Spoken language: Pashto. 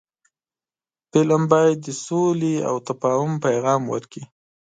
فلم باید د سولې او تفاهم پیغام ورکړي